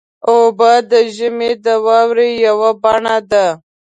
اوبه د ژمي د واورې یوه بڼه ده.